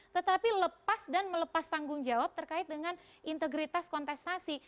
tetapi lepas dan melepas tanggung jawab terkait dengan integritas kontestasi